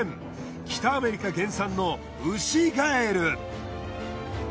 北アメリカ原産のウシガエル。